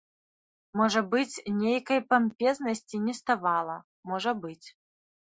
Можа быць нейкай пампезнасці неставала, можа быць.